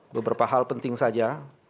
beberapa hal penting saja